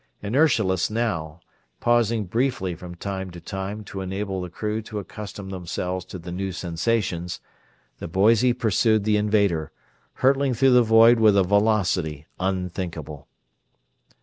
Inertialess now, pausing briefly from time to time to enable the crew to accustom themselves to the new sensations, the Boise pursued the invader; hurtling through the void with a velocity unthinkable.